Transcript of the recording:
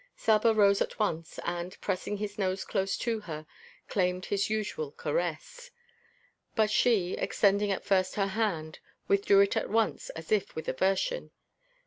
Saba rose at once and, pressing his nose close to her, claimed his usual caress. But she, extending at first her hand, withdrew it at once as if with aversion.